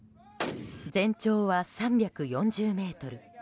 全長は３４０ｍ。